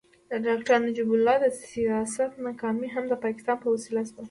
د ډاکټر نجیب الله د سیاست ناکامي هم د پاکستان په وسیله وشوه.